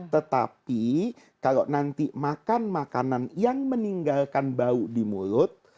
tetapi kalau nanti makan makanan yang meninggalkan bau di mulut